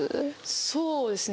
そうですね